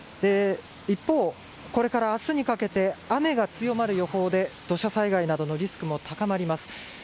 一方、これから明日にかけて雨が強まる予報で土砂災害などのリスクも高まります。